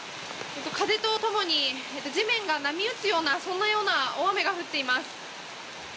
風とともに地面が波打つようなそんなような大雨が降っています。